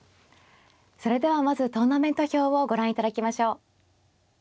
それではまずトーナメント表をご覧いただきましょう。